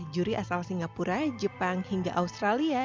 juri asal singapura jepang hingga australia